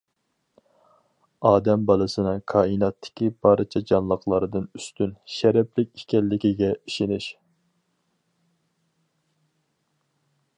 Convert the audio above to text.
ئادەم بالىسىنىڭ كائىناتتىكى بارچە جانلىقلاردىن ئۈستۈن، شەرەپلىك ئىكەنلىكىگە ئىشىنىش.